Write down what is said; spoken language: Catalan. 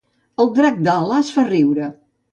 El drac d'Alàs fa riure